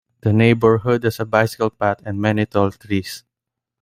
The neighborhood has a bicycle path and many tall trees.